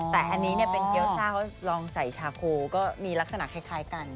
แต่อันนี้เนี้ยแข็วซาก็ลองใส่ชาโคนก็มีลักษณะคล้ายกัน